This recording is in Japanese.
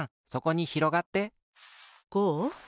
こう？